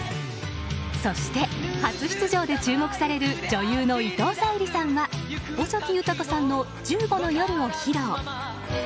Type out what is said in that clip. そして初出場で注目される女優の伊藤沙莉さんは尾崎豊さんの「１５の夜」を披露。